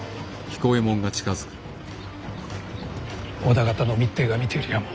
織田方の密偵が見ているやも。